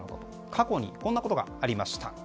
過去にこんなことがありました。